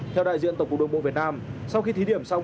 theo đại diện tổng cụ đông bộ việt nam sau khi thí điểm xong